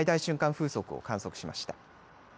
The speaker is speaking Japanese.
風速を観測しました。